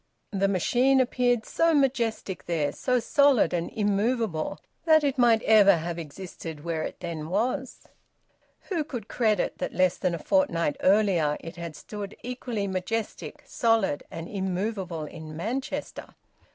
The machine appeared so majestic there, so solid and immovable, that it might ever have existed where it then was. Who could credit that, less than a fortnight earlier, it had stood equally majestic, solid, and immovable in Manchester?